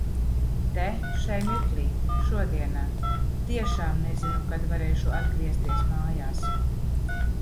Te, šai mirklī, šodienā, tiešām nezinu, kad varēšu atgriezties mājās.